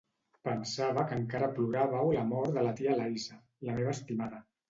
Pensava que encara ploràveu la mort de tia Lysa, la meva estimada .